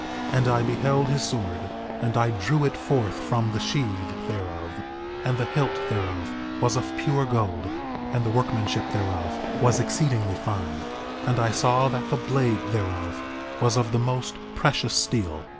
4:9 And I beheld his sword, and I drew it forth from the sheath thereof; and the hilt thereof was of pure gold, and the workmanship thereof was exceedingly fine, and I saw that the blade thereof was of the most precious steel.